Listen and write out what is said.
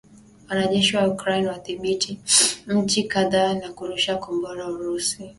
Wanajeshi wa Ukraine wadhibithi miji kadhaa na kurusha Kombora Urusi.